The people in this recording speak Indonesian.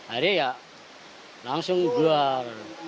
akhirnya ya langsung juar